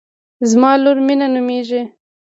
زما لور مینه نومیږي